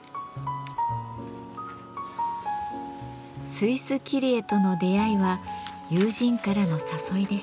スイス切り絵との出会いは友人からの誘いでした。